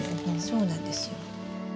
そうなんですよ。